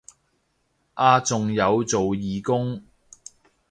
啊仲有做義工